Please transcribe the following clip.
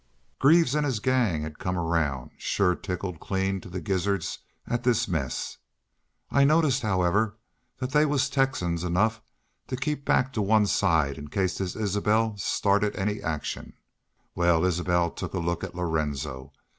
"Greaves an' his gang hed come round, sure tickled clean to thar gizzards at this mess. I noticed, howsomever, thet they was Texans enough to keep back to one side in case this Isbel started any action.... Wal, Isbel took a look at Lorenzo.